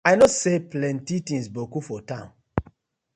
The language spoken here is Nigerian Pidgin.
I kno say plenty tinz boku for town.